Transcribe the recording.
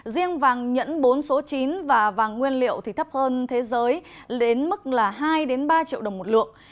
riêng vàng nhẫn bốn số chín và vàng nguyên liệu thì thấp hơn thế giới đến mức là hai ba triệu đồng một lượng